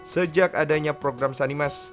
sejak adanya program sanimas